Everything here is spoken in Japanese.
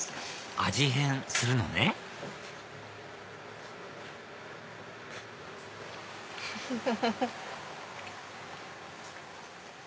味変するのねフフフフ！